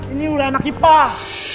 ini ulah anak hipah